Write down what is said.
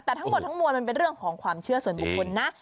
แต่ทั้งหมดทั้งมวลมันเป็นเรื่องของความเชื่อส่วนบุคคลนะ